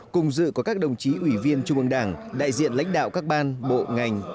cùng dự có các đồng chí ủy viên trung ương đảng đại diện lãnh đạo các ban bộ ngành